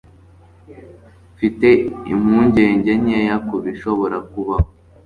Mfite impungenge nkeya kubishobora kubaho.